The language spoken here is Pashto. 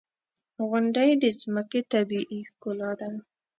• غونډۍ د ځمکې طبیعي ښکلا ده.